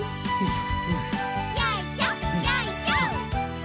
よいしょよいしょ。